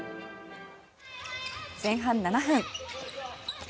前半７分。